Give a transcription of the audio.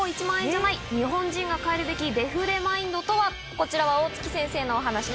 こちらは大槻先生のお話です。